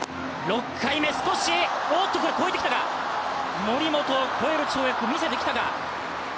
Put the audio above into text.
６回目、少しおっと、これは越えてきたか森本を越える跳躍を見せてきたか。